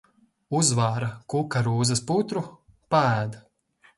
Uzvāra kukarūzas putru, paēd.